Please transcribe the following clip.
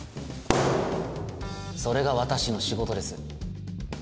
それが私の仕事です。